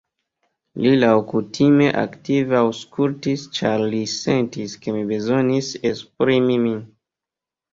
Li, laŭkutime, aktive aŭskultis, ĉar li sentis ke mi bezonis esprimi min.